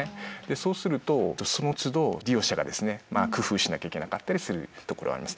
そうするとそのつど利用者がですね工夫しなきゃいけなかったりするところもあります。